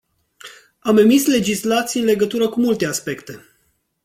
Am emis legislații în legătură cu multe aspecte.